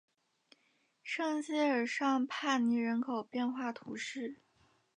圣谢尔尚帕尼人口变化图示